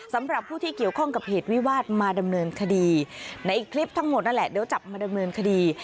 สำหรับผู้ที่เกี่ยวข้องกับเหตุวิวาสมาดำเนินคดีในคลิปทั้งหมดนั่นแหละเดี๋ยวจับมาดำเนินคดี